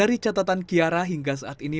dari catatan kiara hingga saat ini